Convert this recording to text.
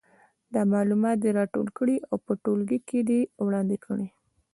دا معلومات دې راټول کړي او په ټولګي کې دې وړاندې کړي.